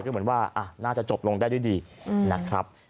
ก็เหมือนว่าน่าจะจบลงได้ด้วยดีนะครับ